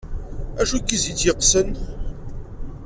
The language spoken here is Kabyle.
Acu n yizi i tt-yeqqesen?